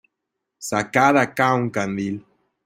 ¡ sacad acá un candil!...